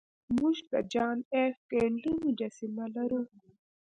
موږ د جان ایف کینیډي مجسمه لرو